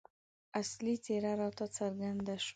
اصلي څېره راته څرګنده شوه.